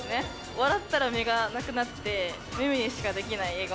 笑ったら目がなくなって、にしかできない笑顔。